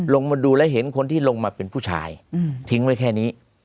ลงมาดูแล้วเห็นคนที่ลงมาเป็นผู้ชายทิ้งไว้แค่นี้